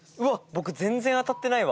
僕全然当たってないわ。